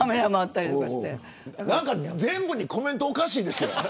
何か全部コメントおかしいですよ。